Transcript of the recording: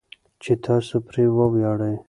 چې تاسو پرې وویاړئ.